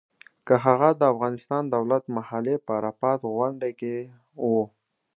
که هغه د افغانستان دولت مخالف په عرفات غونډۍ کې و.